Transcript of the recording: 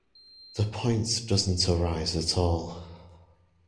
The point doesn't arise at all.